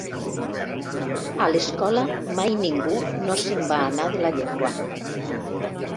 A l'escola mai ningú no se'n va anar de la llengua.